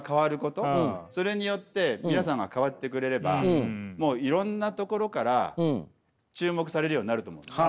それによって皆さんが変わってくれればもういろんなところから注目されるようになると思うんです。